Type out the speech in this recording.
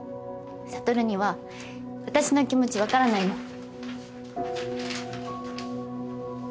悟には私の気持ち分からないもん。